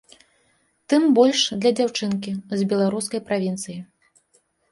Тым больш для дзяўчынкі з беларускай правінцыі.